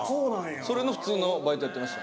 それの普通のバイトやってました。